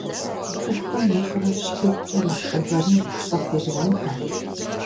ЦӀыхухэм нэхърэ щхьитӀкӀэ нэхъ лъэгэну лӀы пелуант ар.